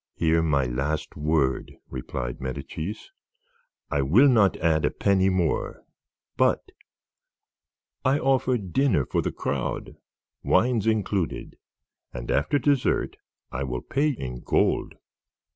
"Hear my last word," replied Medicis. "I will not add a penny more; but, I offer dinner for the crowd, wines included, and after dessert I will pay in gold."